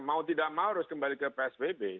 mau tidak mau harus kembali ke psbb